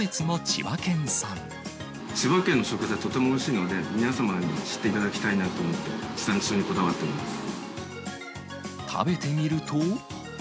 千葉県の食材、とてもおいしいので、皆様に知っていただきたいなと思って、地産地消にこだわ食べてみると。